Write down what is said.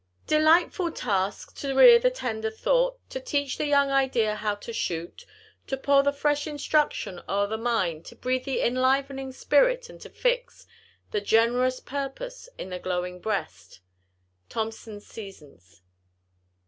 "Delightful task! to rear the tender thought, To teach the young idea how to shoot, To pour the fresh instruction o'er the mind, To breathe the enlivening spirit and to fix The generous purpose in the glowing breast!" THOMSON'S SEASONS.